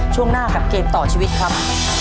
ช่วงหน้ากับเกมต่อชีวิตครับ